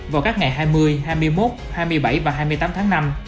vào các ngày hai mươi hai mươi một hai mươi bảy và hai mươi tám tháng năm